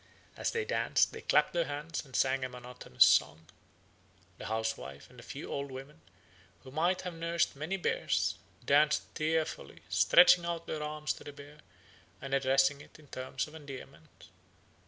As they danced they clapped their hands and sang a monotonous song. The housewife and a few old women, who might have nursed many bears, danced tearfully, stretching out their arms to the bear, and addressing it in terms of endearment.